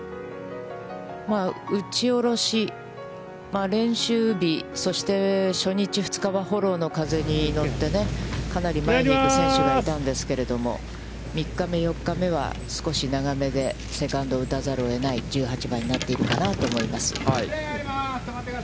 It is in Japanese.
打ち下ろし、練習日、そして初日、２日はフォローの風に乗って、かなり前に行く選手がいたんですけれども、３日目、４日目は、少し長めでセカンドを打たざるを得ない１８番になっているかなと思います。